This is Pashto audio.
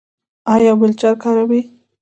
ایا ویلچیر کاروئ؟